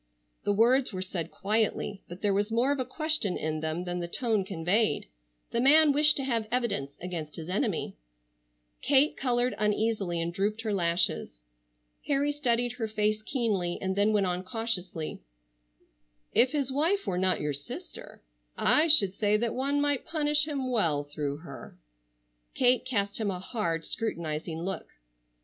The words were said quietly, but there was more of a question in them than the tone conveyed. The man wished to have evidence against his enemy. Kate colored uneasily and drooped her lashes. Harry studied her face keenly, and then went on cautiously: "If his wife were not your sister I should say that one might punish him well through her." Kate cast him a hard, scrutinizing look.